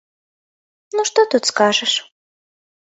Ну што тут скажаш?